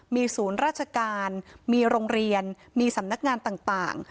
มีศูนย์ราชการมีโรงเรียนมีสำนักงานต่าง